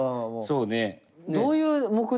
そうね。